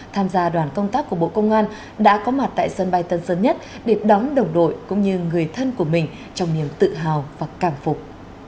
tham gia đoàn công tác của bộ công an đã có mặt tại sân bay tân sơn nhất để đón đồng đội cũng như người thân của mình trong niềm tự hào và cảm phục